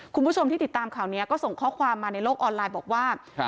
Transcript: คุณผู้ชมที่ติดตามข่าวนี้ก็ส่งข้อความมาในโลกออนไลน์บอกว่า